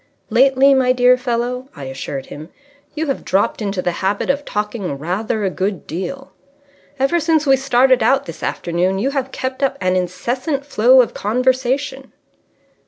"Lately, my dear fellow," I assured him, "you have dropped into the habit of talking rather a good deal. Ever since we started out this afternoon you have kept up an incessant flow of conversation!"